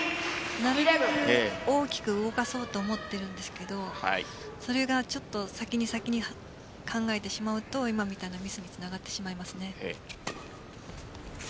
なるべく大きく動かそうと思っているんですけどそれが先に先に考えてしまうと今みたいなミスにつながってしまいますね。